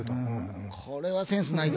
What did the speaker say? これはセンスないぞ。